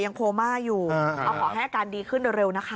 โคม่าอยู่เอาขอให้อาการดีขึ้นเร็วนะคะ